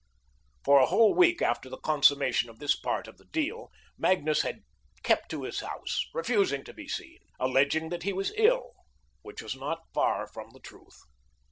For a whole week after the consummation of this part of the deal, Magnus had kept to his house, refusing to be seen, alleging that he was ill, which was not far from the truth.